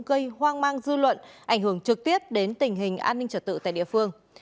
gây hoang mang dư luận ảnh hưởng trực tiếp đến tình hình an ninh trật tự tại địa phương